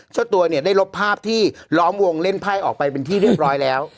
เจ้าตัวเนี่ยได้ลบภาพที่ล้อมวงเล่นไพ่ออกไปเป็นที่เรียบร้อยแล้ว